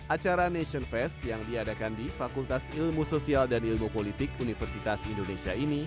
acara nation fest yang diadakan di fakultas ilmu sosial dan ilmu politik universitas indonesia ini